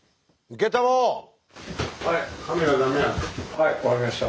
はい分かりました。